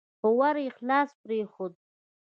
خو ور يې خلاص پرېښود.